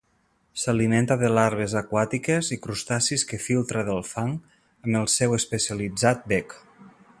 S'alimenta de larves aquàtiques i crustacis que filtra del fang amb el seu especialitzat bec.